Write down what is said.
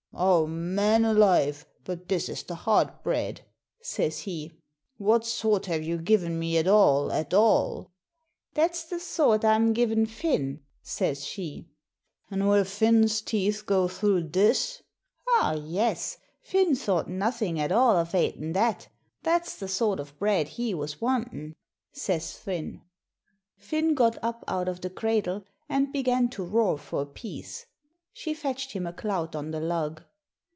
'Aw, man alive! But this is the hard bread,' says he. 'What sort have you given me at all, at all?' 'That's the sort I'm giving Finn,' says she. 'An' will Finn's teeth go through this?' 'Aw, yes, Finn thought nothing at all of 'atin' that that's the sort of bread he was wantin',' says Thrinn. Finn got up out of the cradle, and began to roar for a piece. She fetched him a clout on the lug.